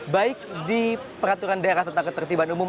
baik di peraturan daerah tentang ketertiban umum